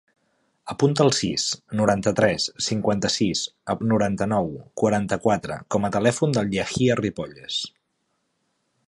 Apunta el sis, noranta-tres, cinquanta-sis, noranta-nou, quaranta-quatre com a telèfon del Yahya Ripolles.